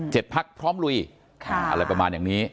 เจ็ดพักพร้อมลุยอะไรประมาณอย่างนี้